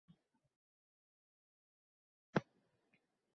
Turkiya darvozalari sayyohlar uchun ochiq